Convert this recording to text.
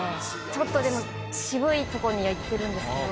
ちょっとでも渋いとこにはいってるんですけど